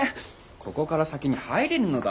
ここから先に入れぬのだ。